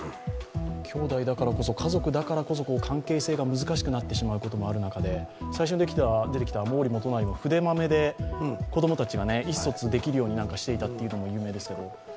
兄弟だからこそ、家族だからこそ関係性が難しくなってしまうこともある中で最初に出てきた毛利元就も筆まめで子供たちが意思疎通できるようにしていたと有名ですけれども。